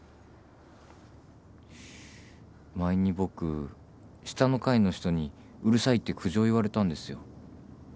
前に僕下の階の人にうるさいって苦情言われたんですよ。